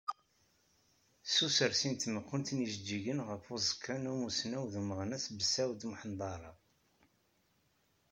S usersi n tmeqqunt n yijeǧǧigen ɣef uẓekka n umussnaw d umeɣnas Besεud Muḥend Aεrab.